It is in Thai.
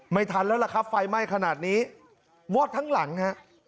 ไม่ทันแล้วล่ะครับไฟไหม้ขนาดนี้วอดทั้งหลังฮะ